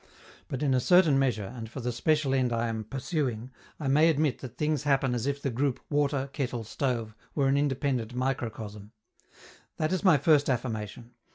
But, in a certain measure, and for the special end I am pursuing, I may admit that things happen as if the group water kettle stove were an independent microcosm. That is my first affirmation.